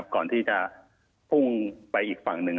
ก่อนที่จะพุ่งไปอีกฝั่งหนึ่ง